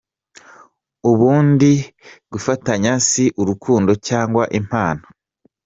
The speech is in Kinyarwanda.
Ubundi gufatanya si urukundo cyangwa impano.